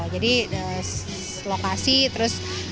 jadi lokasi terus